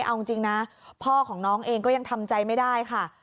เอาจริงนะพ่อของน้องเองก็ยังทำใจไม่ได้ค่ะ